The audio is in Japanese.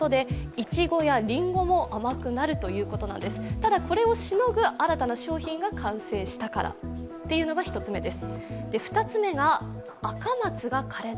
ただこれをしのぐ新たな商品が完成したからということです。